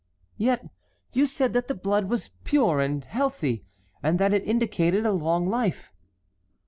"Yet you said that the blood was pure and healthy, and that it indicated a long life."